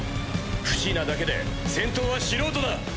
不死なだけで戦闘は素人だ。